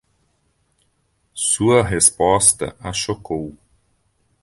Sua resposta a chocou